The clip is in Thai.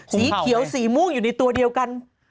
สีเขียวสีม่วงอยู่ในตัวเดียวกัน